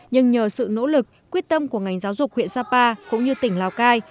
nhưng nhờ sự nỗ lực quyết tâm của ngành giáo dục huyện sapa cũng như tỉnh lào cai